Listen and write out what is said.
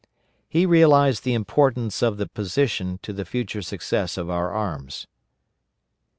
He realized the importance of the position to the future success of our arms.